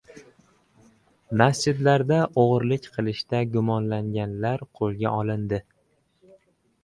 Masjidlarda o‘g‘irlik qilishda gumonlanganlar qo‘lga olindi